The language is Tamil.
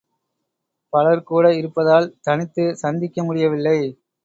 பலர் கூட இருப்பதால் தனித்துச் சந்திக்க முடியவில்லை.